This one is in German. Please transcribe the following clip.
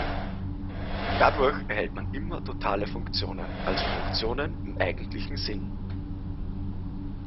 Dadurch erhält man immer totale Funktionen, also Funktionen im eigentlichen Sinn.